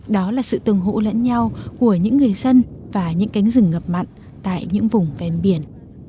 đó là sự tường hỗ lẫn nhau của những người dân và những cánh rừng ngập mặn tại những vùng ven biển